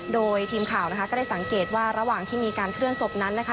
โดยทีมข่าวนะคะก็ได้สังเกตว่าระหว่างที่มีการเคลื่อนศพนั้นนะคะ